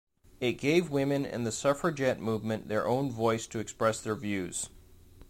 It gave women and the suffragette movement their own voice to express their views.